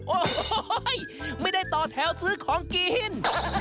โอ้โหไม่ได้ต่อแถวซื้อของกิน